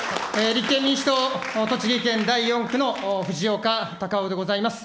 立憲民主党、栃木県第４区の藤岡隆雄でございます。